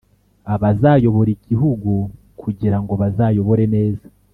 abazayobora igihugu kugira ngo bazayobore neza,